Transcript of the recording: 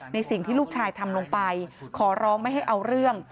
สิ่งที่ลูกชายทำลงไปขอร้องไม่ให้เอาเรื่อง